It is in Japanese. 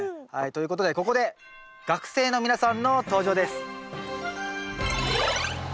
ということでここで学生の皆さんの登場です。